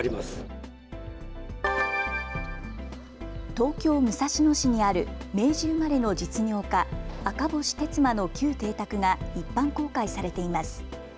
東京武蔵野市にある明治生まれの実業家、赤星鉄馬の旧邸宅が一般公開されています。